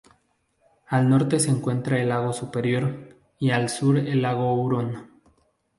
Al norte se encuentra el lago Superior y al sur el lago Huron.